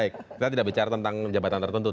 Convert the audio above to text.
baik kita tidak bicara tentang jabatan tertentu